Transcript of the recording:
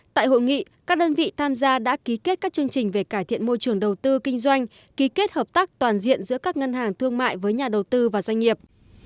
tại hội nghị các đơn vị tham gia đã ký kết các chương trình về cải thiện môi trường đầu tư kinh doanh ký kết hợp tác toàn diện giữa các ngân hàng thương mại với nhà đầu tư và doanh nghiệp